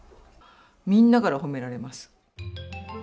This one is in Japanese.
みんなから褒められます。